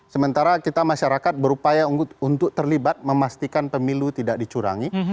sementara kita masyarakat berupaya untuk terlibat memastikan pemilu tidak dicurangi